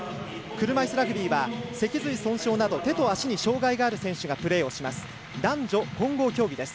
車いすラグビーは脊髄損傷など手と足に障がいがある選手がプレーをします。